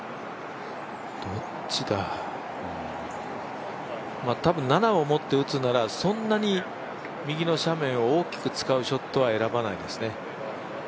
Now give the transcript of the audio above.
どっちだたぶん、７を持って打つならそんなに右の斜面を大きく使うショットは選ばないですね。